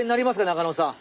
中野さん。